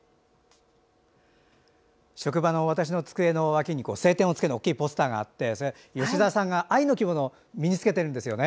職場の私の机の脇に「青天を衝け」の大きいポスターがあって吉沢さんが藍の着物を身に着けてるんですよね。